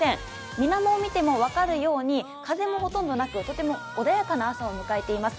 みなもを見ても分かるように風もほとんどなく、とても穏やかな朝を迎えています。